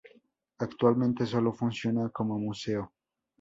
Actualmente sólo funciona como museo.